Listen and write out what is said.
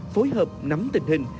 phối hợp nắm tình hình